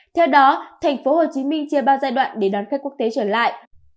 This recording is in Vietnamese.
theo đó thành phố hồ chí minh chia ba giai đoạn để đón khách quốc tế trở lại